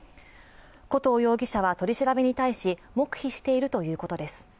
古東容疑者は取り調べに対し黙秘しているということです。